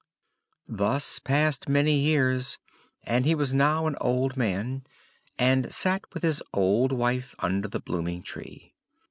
Thus passed many years, and he was now an old man, and sat with his old wife under the blooming tree.